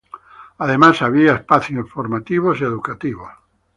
Además había espacios informativos y educativos.